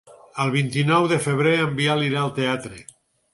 El vint-i-nou de febrer en Biel irà al teatre.